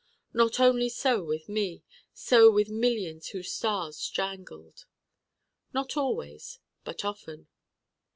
Not only so with me: so with millions whose stars jangled. Not always. But often.